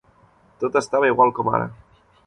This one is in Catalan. Tot estava igual com ara.